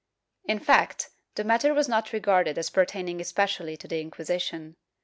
^ In fact, the matter was not regarded as pertaining especially to the Inquisition.